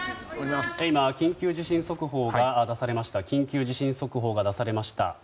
今、緊急地震速報が出されました。